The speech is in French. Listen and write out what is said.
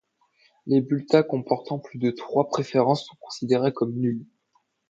Les bulletins comportant plus de trois préférences sont considérés comme nuls.